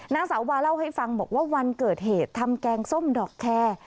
นางสาววาเล่าให้ฟังบอกว่าวันเกิดเหตุทำแกงส้มดอกแคร์